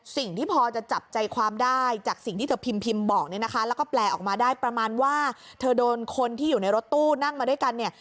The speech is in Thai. สิ่งที่พอจะจับใจความได้จากสิ่งที่เธอพิมพิมพ์บอกเนี่ยนะคะแล้วก็แปลออกมาได้ประมาณว่าเธอโดนคนที่อยู่ในรถตู้นั่งมาด้วยกันเนี่ย